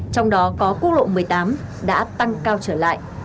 trong đó có quốc lộ một mươi tám đã tăng cao trở lại